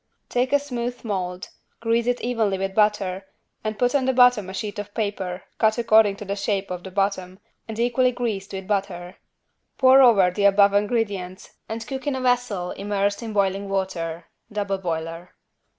Take a smooth mold, grease it evenly with butter and put on the bottom a sheet of paper, cut according to the shape of the bottom and equally greased with butter. Pour over the above ingredients and cook in a vessel immersed in boiling water (double boiler).